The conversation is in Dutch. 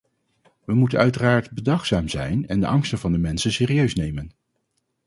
We moeten uiteraard bedachtzaam zijn en de angsten van de mensen serieus nemen.